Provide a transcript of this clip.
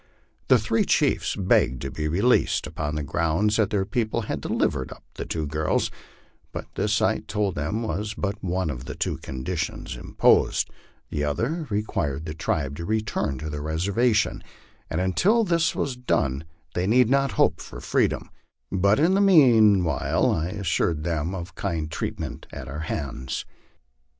The three chiefs begged to be released, upon the ground that their people had delivered up the two girls ; but this I told them was but one of the two conditions imposed; the other required the tribe to return to their reservation, and until this was done they need not hope for freedom ; but in the mean while I assured them of kind treatment at our hands.